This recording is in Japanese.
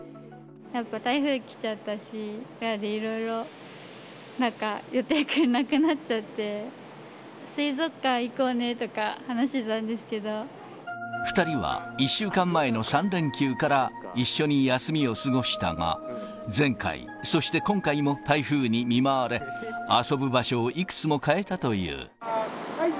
やっぱ台風来ちゃったし、なんで、いろいろ、なんか予定なくなっちゃって、水族館行こうねとか、話してたん２人は１週間前の３連休から、一緒に休みを過ごしたが、前回、そして今回も台風に見舞われ、全員、おそろいでーす。